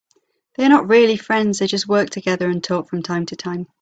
They are not really friends, they just work together and talk from time to time.